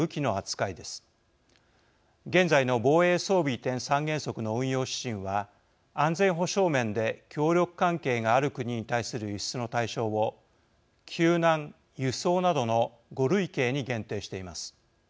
現在の防衛装備移転三原則の運用指針は安全保障面で協力関係がある国に対する輸出の対象を「救難」「輸送」などの５類型に限定しています。